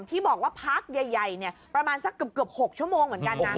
ที่บอกว่าพักใหญ่ประมาณสักเกือบ๖ชั่วโมงเหมือนกันนะ